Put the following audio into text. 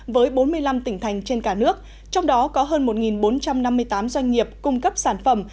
với bốn mươi năm tỉnh thành trên cả nước trong đó có hơn một bốn trăm năm mươi tám doanh nghiệp cung cấp sản phẩm